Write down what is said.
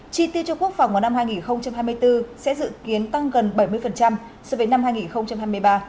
chi tiêu cho quốc phòng vào năm hai nghìn hai mươi bốn sẽ dự kiến tăng gần bảy mươi so với năm hai nghìn hai mươi ba